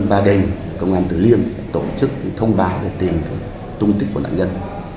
quận ba đêm công an từ liên tổ chức thông báo về tình cử tung tích của nạn nhân